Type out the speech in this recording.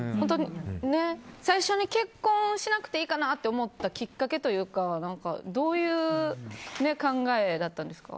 最初に結婚しなくていいかなって思ったきっかけというかどういう考えだったんですか？